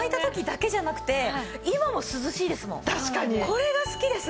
これが好きです。